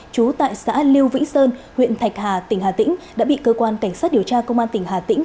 trú tại xã liêu vĩnh sơn huyện thạch hà tỉnh hà tĩnh đã bị cơ quan cảnh sát điều tra công an tỉnh hà tĩnh